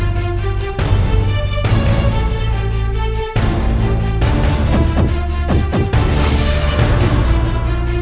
masih tak ada